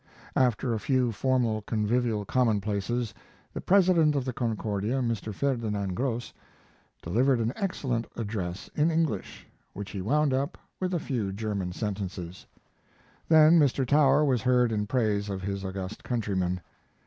After a few formal convivial commonplaces the president of the Concordia, Mr. Ferdinand Gross, delivered an excellent address in English, which he wound up with a few German sentences. Then Mr. Tower was heard in praise of his august countryman.